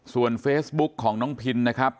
ส่วนเฟซบุ๊กของน้องพินนะครับ